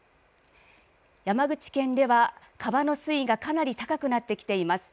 山口県では川の水位が高いかなり高くなってきています。